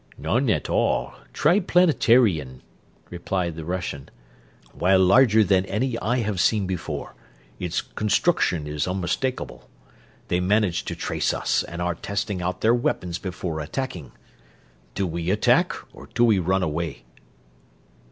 "None at all Triplanetarian," replied the Russian. "While larger than any I have seen before, its construction is unmistakable. They managed to trace us, and are testing out their weapons before attacking. Do we attack or do we run away?"